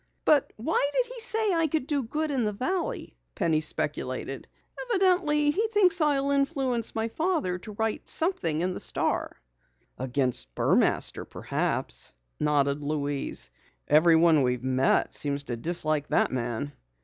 "But why did he say I could do good in the valley?" Penny speculated. "Evidently he thinks I'll influence my father to write something in the Star." "Against Burmaster perhaps," nodded Louise. "Everyone we've met seems to dislike that man."